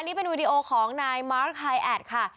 นี่เป็นวีดีโอของนายมาร์ทไฮแอดค่ะ